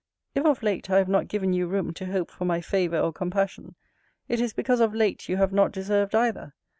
If of late I have not given you room to hope for my favour or compassion, it is because of late you have not deserved either.